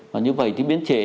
và như vậy thì biến chế